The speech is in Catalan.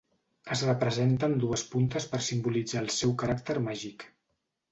Es representa amb dues puntes per simbolitzar el seu caràcter màgic.